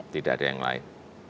tidak ada yang lain